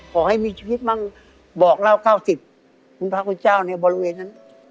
ขอให้มีชีวิตบ้างบอกเล่าเก่าสิบคุณพระคุณแจ้วในบรรเวณนั้น